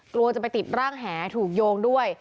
กลัวจะไปติดร่างแหถูกโยงด้วย